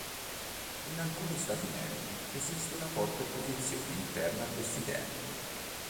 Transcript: In alcuni Stati membri esiste una forte opposizione interna a questi temi.